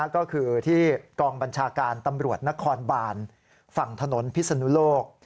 ก็คือที่กองบัญชาการตำรวจนครบานฝั่งถนนพิศนุโลก